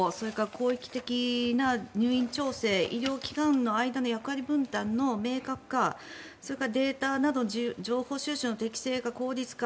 広域的な入院調整医療機関の間の役割分担の明確化それからデータなど情報収集の効率化